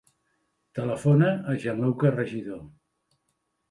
Telefona al Gianluca Regidor.